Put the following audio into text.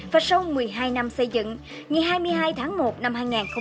và sau một mươi hai năm xây dựng ngày hai mươi hai tháng một năm hai nghìn hai mươi